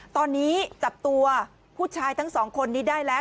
ตอนนี้จับตัวผู้ชายทั้งสองคนนี้ได้แล้ว